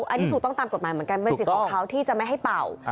อันนี้ถูกต้องตามกฎหมายเหมือนกันเป็นสิทธิ์ของเขาที่จะไม่ให้เป่า